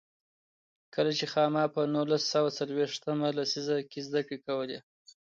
کله چې خاما په نولس سوه څلوېښت مه لسیزه کې زده کړې کولې.